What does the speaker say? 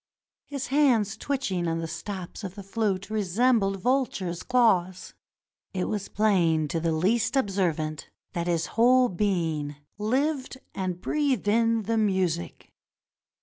His hands twitching on the stops of the flute resembled vultures' claws. It was plain to the least observant that his whole 360 THE MUSIC OF THE DESERT being lived and breathed in the music.